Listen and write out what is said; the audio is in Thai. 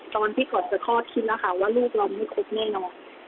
ตอนพี่ขอดจะคอดคิดแล้วค่ะว่าลูกเราไม่คบแน่นอน